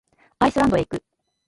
アイスランドへ行く。